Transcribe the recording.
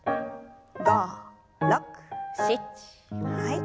５６７はい。